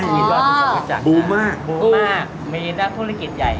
ที่แบบว่าทำให้เราได้พบรากันค่ะ